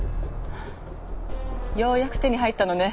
はぁようやく手に入ったのね。